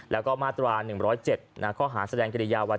แล้วก็มาตรา๑๐๗ข้อหาแสดงกิริยาวั